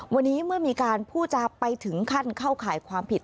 วันนี้เมื่อมีการพูดจาไปถึงขั้นเข้าข่ายความผิด